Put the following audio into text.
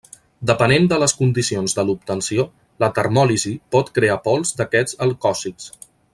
Depenent de les condicions de l'obtenció, la termòlisi pot crear pols d'aquests alcòxids.